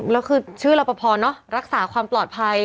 แล้วคือชื่อรับประพอเนอะรักษาความปลอดภัย